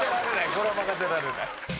これは任せられない。